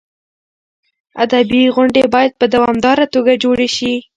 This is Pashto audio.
ادبي غونډې باید په دوامداره توګه جوړې شي.